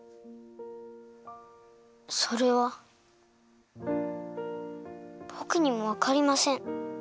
それはぼくにもわかりません。